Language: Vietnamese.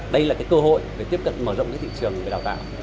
đây là cơ hội để tiếp cận mở rộng cái thị trường về đào tạo